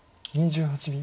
２８秒。